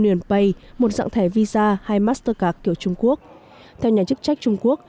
ngoại truyền bày một dạng thẻ visa hay mastercard kiểu trung quốc theo nhà chức trách trung quốc